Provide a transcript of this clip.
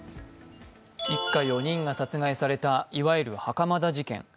一家４人が殺害された、いわゆる袴田事件。